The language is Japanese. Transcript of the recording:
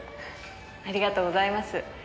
ありがとうございます。